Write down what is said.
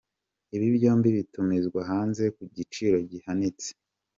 Ibi byombi bitumizwa hanze ku giciro gihanitse.